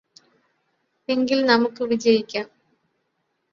എങ്കില് നമുക്ക് വിജയിക്കാം